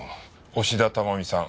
押田珠美さん